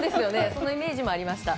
そのイメージもありました。